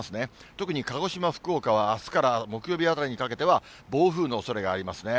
特に鹿児島、福岡はあすから木曜日あたりにかけては、暴風のおそれがありますね。